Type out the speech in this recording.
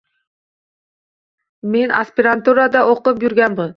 Men aspiranturada oʻqib yurganman